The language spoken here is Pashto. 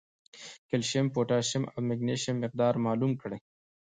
کېلشیم ، پوټاشیم او مېګنيشم مقدار معلوم کړي